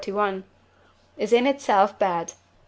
is in itself bad.